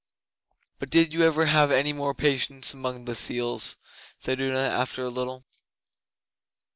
'But did you ever have any more adventures among the seals?' said Una, after a little.